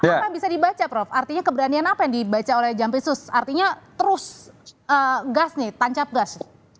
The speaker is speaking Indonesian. apa yang bisa dibaca prof artinya keberanian apa yang dibaca oleh jampisus artinya terus gas nih tancap gas